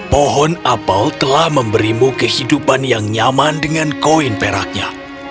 pohon apel telah memberimu kehidupan yang nyaman dengan koin peraknya